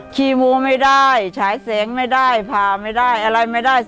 คีโมไม่ได้ฉายแสงไม่ได้ผ่าไม่ได้อะไรไม่ได้